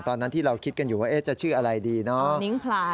ตอนนั้นที่เราคิดกันอยู่ว่าจะชื่ออะไรดีเนาะ